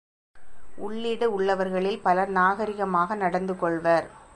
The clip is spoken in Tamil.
உள்ளிடு உள்ளவர்களில் பலர் நாகரிகமாக நடந்துகொள்வர்.